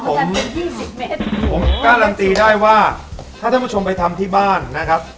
ก็จะเป็นยี่สิบเมตรผมการันตีได้ว่าถ้าท่านผู้ชมไปทำที่บ้านนะครับ